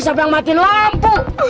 siapa yang matin lampu